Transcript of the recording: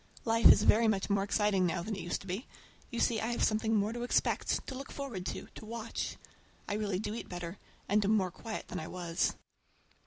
Life is very much more exciting now than it used to be. You see I have something more to expect, to look forward to, to watch. I really do eat better, and am more quiet than I was.